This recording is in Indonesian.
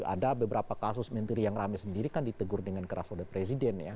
ada beberapa kasus menteri yang rame sendiri kan ditegur dengan keras oleh presiden ya